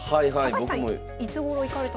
高橋さんいつごろ行かれたんですか？